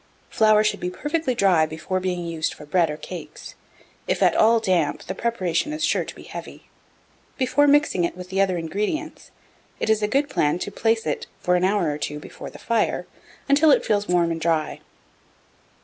1690. Flour should be perfectly dry before being used for bread or cakes; if at all damp, the preparation is sure to be heavy. Before mixing it with the other ingredients, it is a good plan to place it for an hour or two before the fire, until it feels warm and dry.